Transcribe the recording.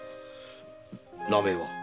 名前は？